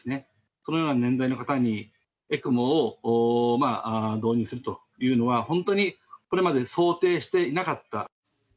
そのような年代の方にＥＣＭＯを導入するというのは、本当にこれまで想定していなかった。